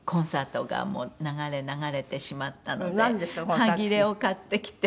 端切れを買ってきて。